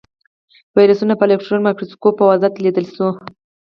ویروسونه په الکترون مایکروسکوپ په وضاحت لیدلی شو.